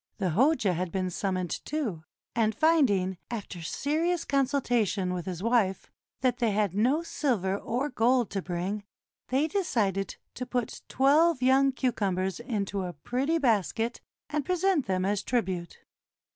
The Hoja had been sum moned too; and finding, after serious consultation with 554 STORIES OF NASR EDDIN HOJA his wife, that they had no silver or gold to bring, they decided to put twelve young cucumbers into a pretty basket, and present them as tribute.